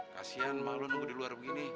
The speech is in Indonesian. kasian mah lo nunggu di luar begini